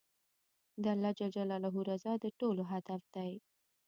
د الله رضا د ټولو هدف دی.